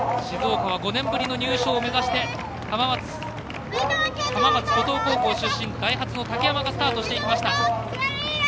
静岡は５年ぶりの入賞を目指して浜松湖東高校出身の高山スタートしていきました。